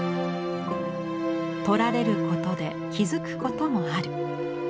撮られることで気付くこともある。